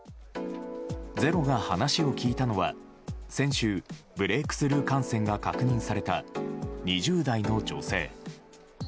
「ｚｅｒｏ」が話を聞いたのは先週、ブレークスルー感染が確認された２０代の女性。